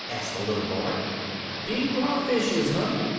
asked the little boy. "De Crawfishes, honey.